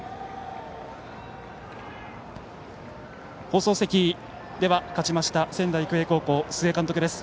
放送席、では勝ちました仙台育英の須江監督です。